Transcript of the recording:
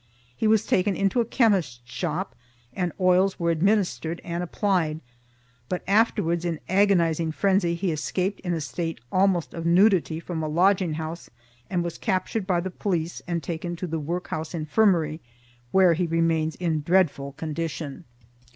He was taken into a chemist's shop and oils were administered and applied, but afterwards in agonizing frenzy he escaped in a state almost of nudity from a lodging house and was captured by the police and taken to the work house infirmary, where he remains in a dreadful condition.